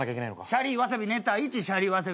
シャリわさびネタ２。